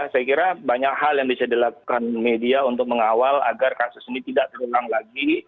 saya kira banyak hal yang bisa dilakukan media untuk mengawal agar kasus ini tidak terulang lagi